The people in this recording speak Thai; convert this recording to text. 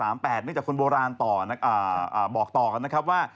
เนื่องจากคนโบราณบอกต่อกันนะครับว่า